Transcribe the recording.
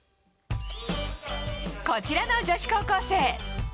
こちらの女子高校生。